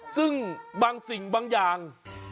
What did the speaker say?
ซึ่งบางสิ่งบางอย่าง